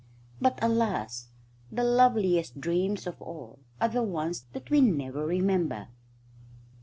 But, alas! the loveliest dreams of all are the ones that we never remember.